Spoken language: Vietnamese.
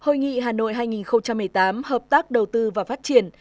hội nghị hà nội hai nghìn một mươi tám hợp tác đầu tư và phát triển